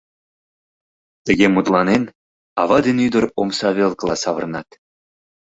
Тыге мутланен, ава ден ӱдыр омса велкыла савырнат.